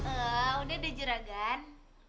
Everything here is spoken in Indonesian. eh udah deh juragan